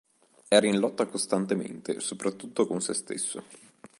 Era in lotta costantemente soprattutto con sé stesso.